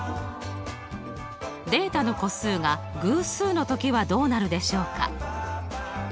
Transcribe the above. データの個数が偶数の時はどうなるでしょうか？